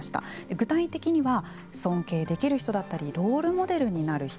具体的には尊敬できる人だったりロールモデルになる人。